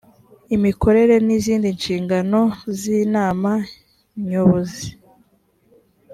imikorere n izindi nshingano z inama nyobozi